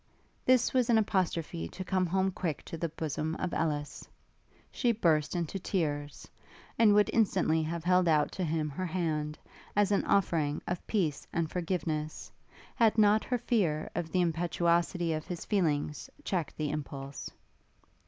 This was an apostrophe to come home quick to the bosom of Ellis: she burst into tears; and would instantly have held out to him her hand, as an offering of peace and forgiveness, had not her fear of the impetuosity of his feelings checked the impulse.